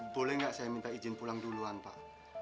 boleh nggak saya minta izin pulang duluan pak